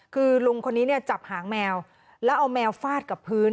คือลุงคนนี้เนี่ยจับหางแมวแล้วเอาแมวฟาดกับพื้น